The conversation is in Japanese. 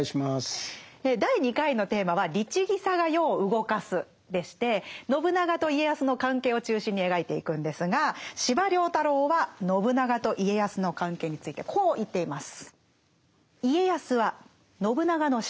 第２回のテーマは信長と家康の関係を中心に描いていくんですが司馬太郎は信長と家康の関係についてこう言っています。